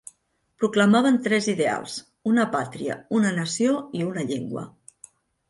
Proclamaven tres ideals, una pàtria, una nació i una llengua.